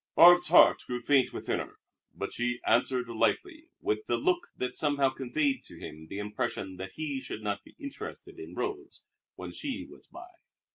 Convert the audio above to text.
Barbe's heart grew faint within her; but she answered lightly, with a look that somehow conveyed to him the impression that he should not be interested in roads when she was by.